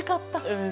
うん。